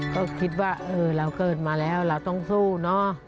ก็คิดว่าเราเกิดมาแล้วเราต้องสู้เนอะ